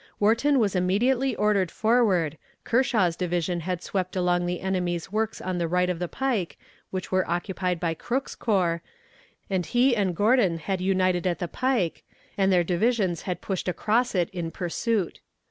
Wharton was immediately ordered forward, Kershaw's division had swept along the enemy's works on the right of the pike, which were occupied by Crook's corps, and he and Gordon had united at the pike, and their divisions had pushed across it in pursuit.